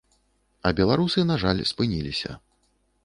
А беларусы, на жаль, спыніліся.